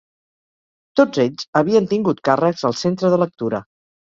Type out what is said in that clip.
Tots ells havien tingut càrrecs al Centre de Lectura.